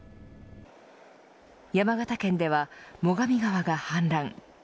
山形県では最上川が氾濫。